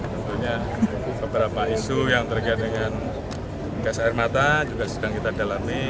tentunya beberapa isu yang terkait dengan gas air mata juga sedang kita dalami